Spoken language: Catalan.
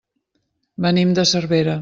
Venim de Cervera.